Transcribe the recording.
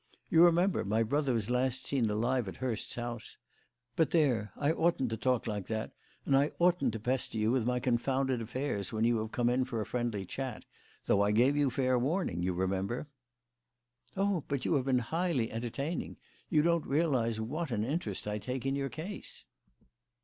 You remember, my brother was last seen alive at Hurst's house but there, I oughtn't to talk like that, and I oughtn't to pester you with my confounded affairs when you have come in for a friendly chat, though I gave you fair warning, you remember." "Oh, but you have been highly entertaining. You don't realise what an interest I take in your case."